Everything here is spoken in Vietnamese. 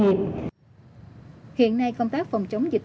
hiện nay công tác phòng chống dịch